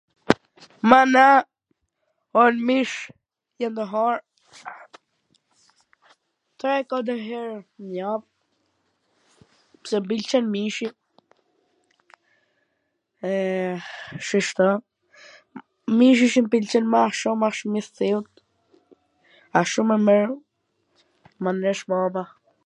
Mana, un mish jam tu hangwr tre katwr her n jav, pse m pwlqen mishi, eee, shishto. Mishi qw m pwlqen ma shum asht mish thiut, ash shum i mir, ma nesh mama.